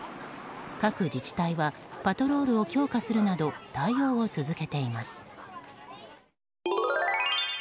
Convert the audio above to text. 各自治体はパトロールを強化するなど対応を続けています。